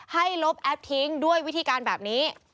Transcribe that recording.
ลบแอปทิ้งด้วยวิธีการแบบนี้